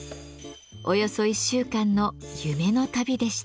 およそ１週間の夢の旅でした。